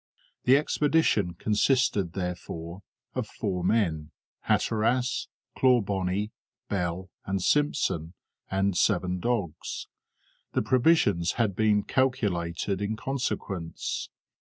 The expedition consisted, therefore, of four men, Hatteras, Clawbonny, Bell, and Simpson, and seven dogs. The provisions had been calculated in consequence.